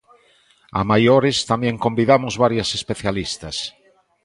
A maiores, tamén convidamos varias especialistas.